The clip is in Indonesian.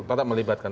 dan tetap melibatkan